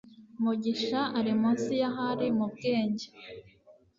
Mugisha ari munsi ya Henry mubwenge